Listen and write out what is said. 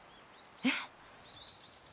えっ！？